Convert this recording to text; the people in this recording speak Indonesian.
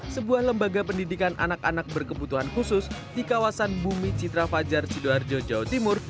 sebuah lembaga pendidikan anak anak berkebutuhan khusus di kawasan bumi citra fajar sidoarjo jawa timur